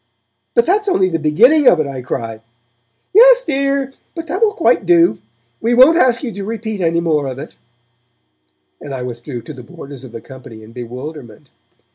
'But that's only the beginning of it,' I cried. 'Yes. dear, but that will quite do! We won't ask you to repeat any more of it,' and I withdrew to the borders of the company in bewilderment.